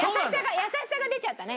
優しさが出ちゃったね。